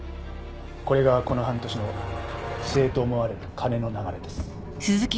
これがこの半年の不正と思われる金の流れです。